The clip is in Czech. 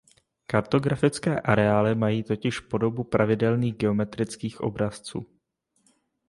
Kartografické areály mají totiž podobu pravidelných geometrických obrazců.